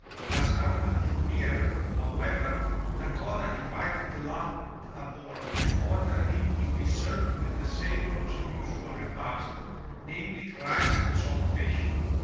As Amman drew nearer, however, Na koda invited the lad aboard and ordered him to be served with the sailors* usual repast, namely, rice and salt fish.